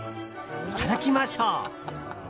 いただきましょう。